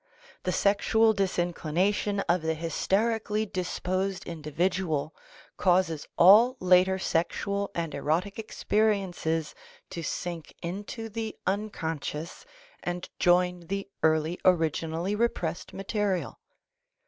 The sexual disinclination of the hyster ically disposed individual causes all later sexual and erotic experi ences to sink into the unconscious and join the early originally repressed material.